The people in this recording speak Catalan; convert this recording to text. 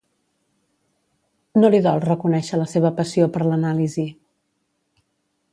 No li dol reconèixer la seva passió per l'anàlisi.